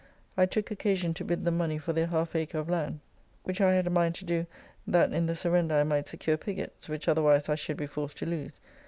I took occasion to bid them money for their half acre of land, which I had a mind to do that in the surrender I might secure Piggott's, which otherwise I should be forced to lose.